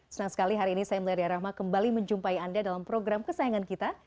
senang sekali hari ini saya melaria rahma kembali menjumpai anda dalam program kesayangan kita